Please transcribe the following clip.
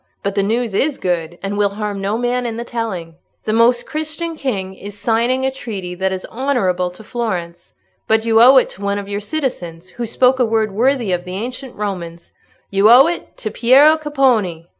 But the news is good, and will harm no man in the telling. The Most Christian King is signing a treaty that is honourable to Florence. But you owe it to one of your citizens, who spoke a word worthy of the ancient Romans—you owe it to Piero Capponi!"